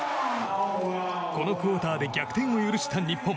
このクオーターで逆転を許した日本。